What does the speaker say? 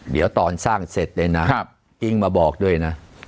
เดี๋ยวตอนสร้างเสร็จเลยนะอิ๊งมาบอกด้วยนะ